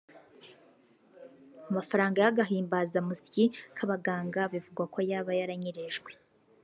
Amafaranga y’agahimbazamusyi k’abaganga bivugwa ko yaba yaranyerejwe